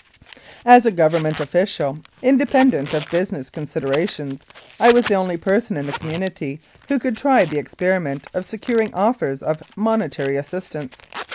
As a Government official, independent of business considerations, I was the only person in the community who could try the experiment of securing offers of monetary assistance.